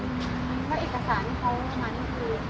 แล้วเอกสารที่เขามานี่คือ